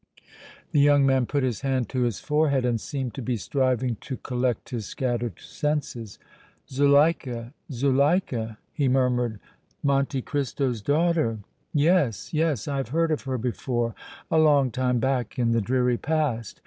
The young man put his hand to his forehead and seemed to be striving to collect his scattered senses. "Zuleika? Zuleika?" he murmured. "Monte Cristo's daughter? Yes, yes, I have heard of her before a long time back in the dreary past!